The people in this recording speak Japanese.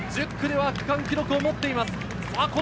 １０区では区間記録を持っています。